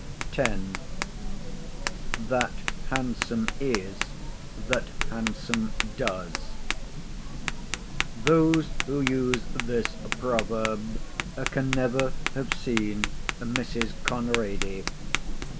[Footnote 1: Swift.] X.—THAT HANDSOME IS THAT HANDSOME DOES Those who use this proverb can never have seen Mrs. Conrady.